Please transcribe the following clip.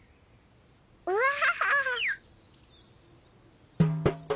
うわ！